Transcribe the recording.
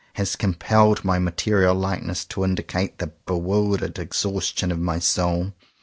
— has compelled my material likeness to indicate the bewildered exhaustion of my soul.